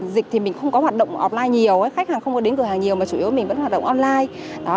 dịch thì mình không có hoạt động online nhiều khách hàng không có đến cửa hàng nhiều mà chủ yếu mình vẫn hoạt động online